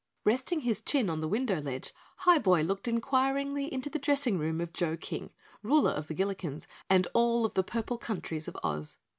Resting his chin on the window ledge, Highboy looked inquiringly into the dressing room of Joe King, ruler of the Gillikens and all of the purple countries of Oz.